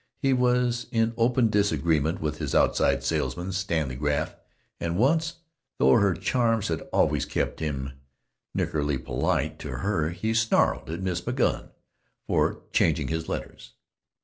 He was in open disagreement with his outside salesman, Stanley Graff; and once, though her charms had always kept him nickeringly polite to her, he snarled at Miss McGoun for changing his letters.